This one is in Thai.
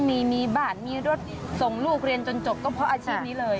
มีมีบ้านมีรถส่งลูกเรียนจนจบก็เพราะอาชีพนี้เลย